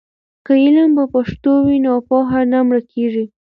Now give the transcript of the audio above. که علم په پښتو وي نو پوهه نه مړکېږي.